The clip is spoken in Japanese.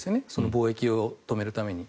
貿易を止めるために。